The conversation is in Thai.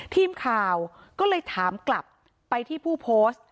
ทีมข่าวก็เลยถามกลับไปที่ผู้โพสต์